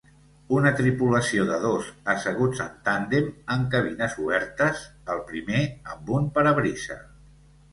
Una tripulació de dos, asseguts en tàndem en cabines obertes, el primer amb un parabrisa.